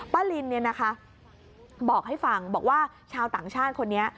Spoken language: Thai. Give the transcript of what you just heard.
ลินบอกให้ฟังบอกว่าชาวต่างชาติคนนี้